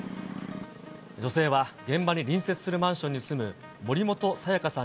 女性は現場に隣接するマンションに住む森本彩加さん